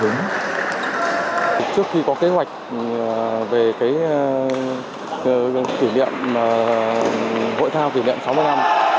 trước khi có kế hoạch về hội thao kỷ niệm sáu mươi năm